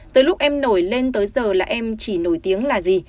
tới lúc em nổi lên tới giờ là em chỉ nổi tiếng là gì